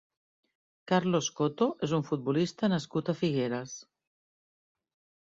Carlos Coto és un futbolista nascut a Figueres.